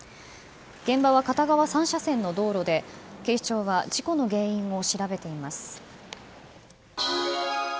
現場は片側３車線の道路で警視庁は事故の原因を調べています。